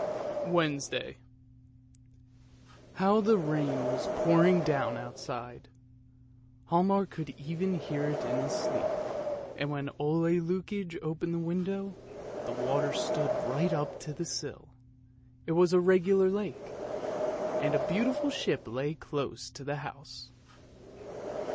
WEDNESDAY How the rain was pouring down outside! Hialmar could even hear it in his sleep, and when Ole Lukoie opened the window, the water stood right up to the sill; it was a regular lake, and a beautiful ship lay close up to the house.